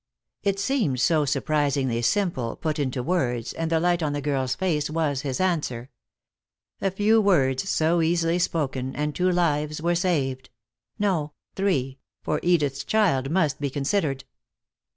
It seemed so surprisingly simple, put into words, and the light on the girl's face was his answer. A few words, so easily spoken, and two lives were saved. No, three, for Edith's child must be considered.